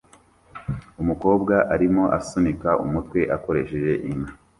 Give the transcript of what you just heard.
Umukobwa arimo asunika umutwe akoresheje inka